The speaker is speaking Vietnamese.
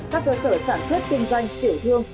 các cơ sở sản xuất kinh doanh tiểu thương